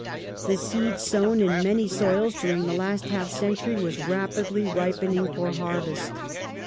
The seed sown in many agitation soils during the last half century was rapidly ripening for harvest.